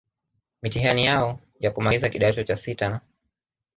mitihani yao ya kumaliza kidato cha sita na